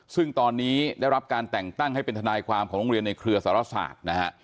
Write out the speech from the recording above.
ซึ่งตอนนี้ได้รับการแต่งตั้งให้เป็นทนายความของโรงเรียนในเครือสารศาสตร์นะฮะ